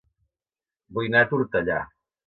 Vull anar a Tortellà